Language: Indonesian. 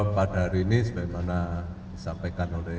pada hari ini sebagaimana disampaikan oleh